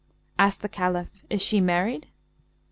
Asked the Caliph, 'Is she married?'